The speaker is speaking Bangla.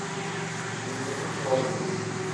তিনি প্রথম সভাপতি হন।